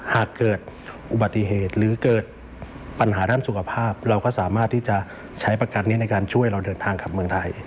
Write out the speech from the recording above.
หากเกิดอุบัติเหตุหรือเกิดปัญหาด้านสุขภาพเราก็สามารถที่จะใช้ประกันนี้ในการช่วยเราเดินทางกลับเมืองไทย